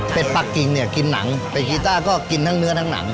เป็นปลากิ่งเนี่ยกินหนังเป็นกีต้าก็กินทั้งเนื้อทั้งหนัง